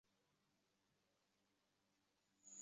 তিনি চিত্রগুলো মূলত কাঠের খোদাই করাই প্রধান ছিলো।